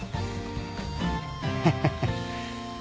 ハハハっ。